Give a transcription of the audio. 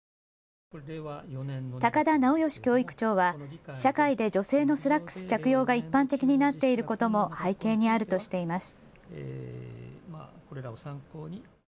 高田直芳教育長は社会で女性のスラックス着用が一般的になっていることも背景にあるとしています。